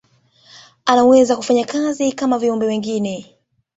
anaweza kufanya kazi kama viumbe wengine